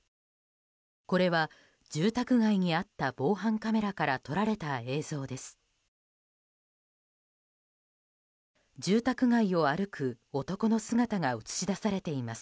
これは住宅街にあった防犯カメラから撮られた映像です。